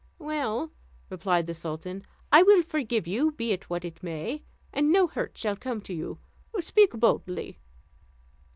"Well," replied the sultan, "I will forgive you, be it what it may, and no hurt shall come to you; speak boldly."